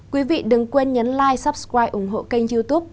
quý vị đừng quên nhấn like subscribe ủng hộ kênh youtube